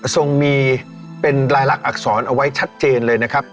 ทรงมีเป็นรายลักษรเอาไว้ชัดเจนเลยนะครับ